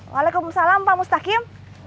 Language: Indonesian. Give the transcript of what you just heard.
waalaikumsalam pak mustaqim